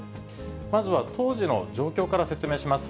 まずは当時の状況から説明します。